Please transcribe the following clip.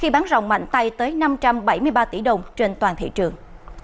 bằng mạnh tay tới năm trăm bảy mươi ba tỷ đồng trên toàn thị trường